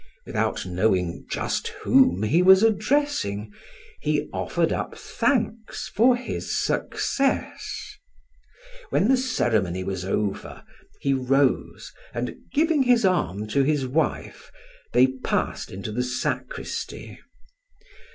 Without knowing just whom he was addressing, he offered up thanks for his success. When the ceremony was over, he rose, and, giving his arm to his wife, they passed into the sacristy.